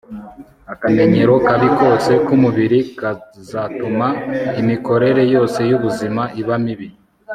akamenyero kabi kose k'umubiri kazatuma imikorere yose y'ubuzima iba mibi